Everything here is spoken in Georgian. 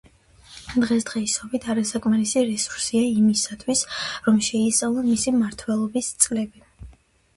დღესდღეობით არასაკმარისი რესურსია, იმისათვის, რომ შეისწავლონ მისი მმართველობის წლები.